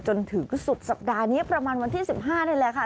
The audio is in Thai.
จนถึงสุดสัปดาห์นี้ประมาณวันที่๑๕นี่แหละค่ะ